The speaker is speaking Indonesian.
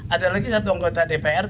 ada lagi satu anggota dpr